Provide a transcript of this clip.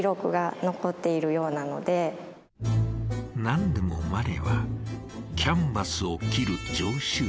何でもマネはキャンバスを切る常習者。